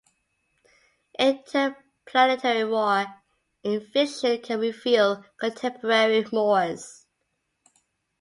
Interplanetary war in fiction can reveal contemporary mores.